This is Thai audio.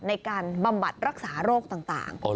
ในการบำบัดรักษาโรคต่าง